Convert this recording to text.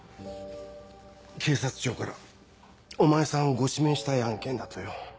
警察庁からお前さんをご指名したい案件だとよ。